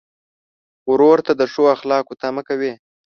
ورور ته د ښو اخلاقو تمه کوې.